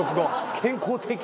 健康的！